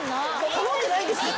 頼んでないんですよ。